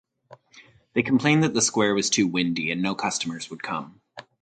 They complained that the square was too windy and no customers would come.